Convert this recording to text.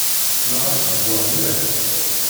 Ssneɣ ad ssewweɣ mliḥ.